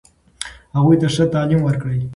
هغوی ته ښه تعلیم ورکړئ.